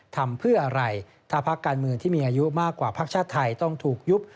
ทำเพื่ออะไรถ้าพักการเมืองที่มีอายุมากกว่าพักชาติไทยต้องถูกยุบ